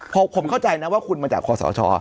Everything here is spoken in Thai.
เพราะผมเข้าใจนะว่าคุณมาจากขอสอชอ